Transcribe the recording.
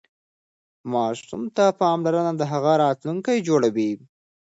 ماسوم ته پاملرنه د هغه راتلونکی جوړوي.